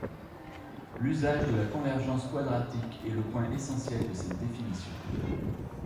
L'usage de la convergence quadratique est le point essentiel de cette définition.